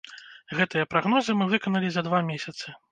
Гэтыя прагнозы мы выканалі за два месяцы.